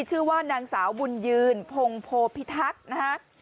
ชื่อว่านางสาวบุญยืนพงโพพิทักษ์นะฮะ